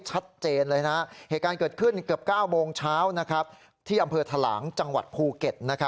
ชัดเจนเลยนะเหตุการณ์เกิดขึ้นเกือบ๙โมงเช้าที่อำเภอทะหลางจังหวัดภูเก็ต